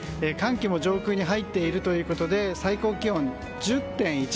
寒気も上空に入っているということで最高気温１０．１度。